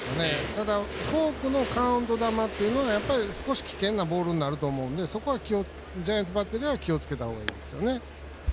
ただ、フォークのカウント球というのは、やっぱり少し危険なボールになると思うのでそこはジャイアンツバッテリー気をつけた方がいいですよね。